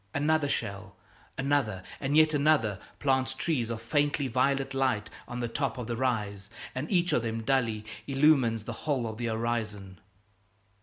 Another shell another and yet another plant trees of faintly violet light on the top of the rise, and each of them dully illumines the whole of the horizon.